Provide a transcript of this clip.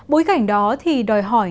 bối cảnh đó thì đòi hỏi